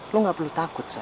lo gak perlu takut saya